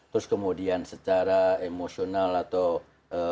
terus kemudian secara emosional atau ee